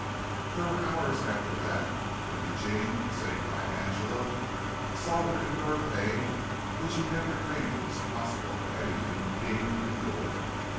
There were hours after that when Eugene, sitting by Angela, saw her endure pain which he never dreamed it was possible for any human being to endure.